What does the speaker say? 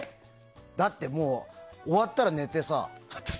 だってもう終わったら寝てさ。